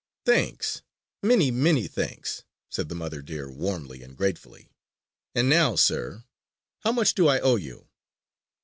"Thanks, many, many thanks," said the mother deer warmly and gratefully. "And now, sir, how much do I owe you?"